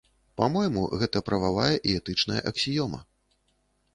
Па-мойму, гэта прававая і этычная аксіёма.